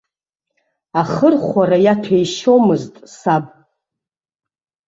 Ахырхәара иаҭәеишьомызт саб.